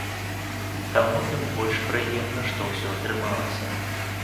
Таму тым больш прыемна, што ўсё атрымалася.